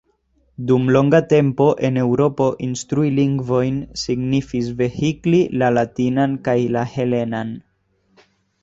Dum longa tempo en Eŭropo instrui lingvojn signifis vehikli la latinan kaj la helenan.